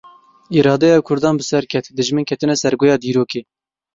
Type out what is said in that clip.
Îradeya Kurdan bi ser ket, dijmin ketine sergoya dîrokê.